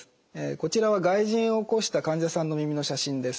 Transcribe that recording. こちらは外耳炎を起こした患者さんの耳の写真です。